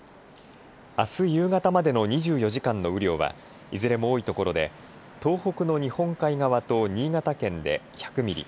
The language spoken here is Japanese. あす夕方までの２４時間の雨量はいずれも多い所で東北の日本海側と新潟県で１００ミリ